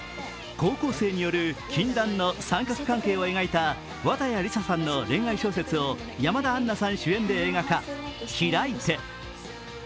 高校生による禁断の三角関係を描いた綿矢りささんの恋愛小説を山田杏奈さん主演で映画化「ひらいて」。